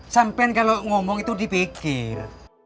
sampean kalau ngomong itu dipikir